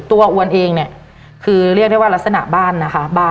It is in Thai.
อวนเองเนี่ยคือเรียกได้ว่ารักษณะบ้านนะคะ